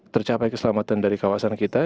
tercapai keselamatan dari kawasan kita